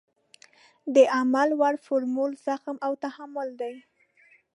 د عمل وړ فورمول زغم او تحمل دی.